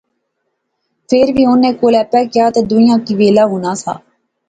فیر وی انیں کول آپے کیا تہ دویاں کی ویلا ہونا سا